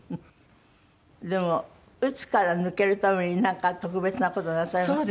でもうつから抜けるためになんか特別な事なさいました？